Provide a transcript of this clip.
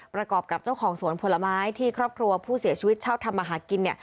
ประกอบกับเจ้าของสวนผลไม้ที่ครอบครัวผู้เสียชีวิตเช่าทำมาหากิน